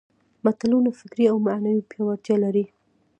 متلونه فکري او معنوي پياوړتیا لري